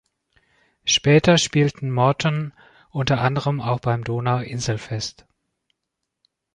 Später spielten Morton unter anderem auch beim Donauinselfest.